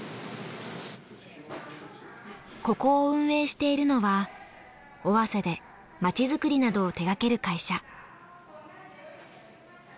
ここを運営しているのは尾鷲でまちづくりなどを手がける会社。